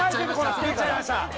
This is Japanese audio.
作っちゃいました。